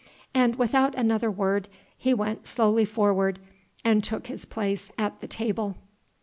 And without another word, he went slowly forward and took his place at the table.